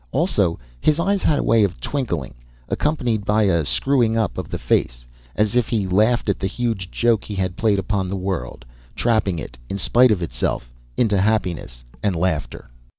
Also his eyes had a way of twinkling, accompanied by a screwing up of the face, as if he laughed at the huge joke he had played upon the world, trapping it, in spite of itself, into happiness and laughter.